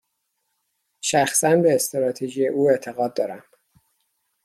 شخصا، به استراتژی او اعتقاد دارم.